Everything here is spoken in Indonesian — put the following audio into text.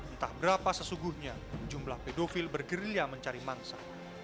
entah berapa sesungguhnya jumlah pedofil bergerilya mencari mangsa